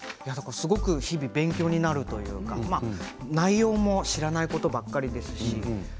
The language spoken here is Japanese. すごく日々勉強になるというか内容も知らないことばかりですし。